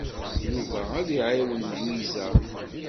Yuba ad iɛawen Lwiza.